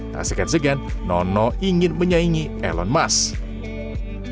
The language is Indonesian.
tak segan segan nono ingin menyaingi elon musk